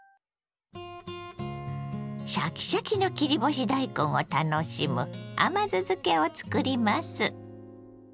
シャキシャキの切り干し大根を楽しむ甘酢漬けを作ります。